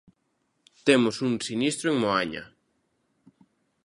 Temos un sinistro en Moaña.